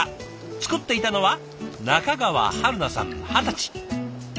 作っていたのは中川春菜さん二十歳。